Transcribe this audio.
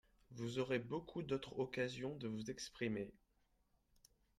Vous aurez beaucoup d’autres occasions de vous exprimer.